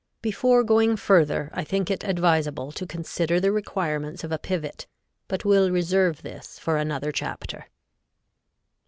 Before going further I think it advisable to consider the requirements of a pivot, but will reserve this for another chapter.